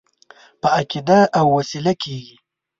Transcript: په عقیده او وسیله کېږي.